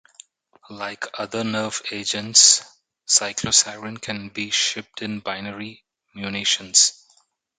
Like other nerve agents, cyclosarin can be shipped in binary munitions.